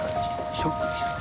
ショックでしたね。